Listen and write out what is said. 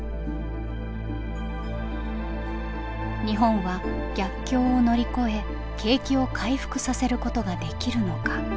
日本は逆境を乗り越え景気を回復させることができるのか。